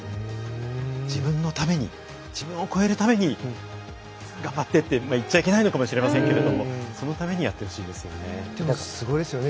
自分のために自分を超えるために頑張ってと言っちゃいけないのかもしれませんけれどそのためにやってほしいですよね。